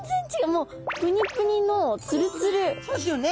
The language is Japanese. もうそうですよね。